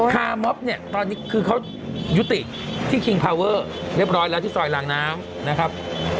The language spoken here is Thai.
ค่าเนี่ยตอนนี้คือเขายุติที่เรียบร้อยแล้วที่สอยหลังน้ำนะครับ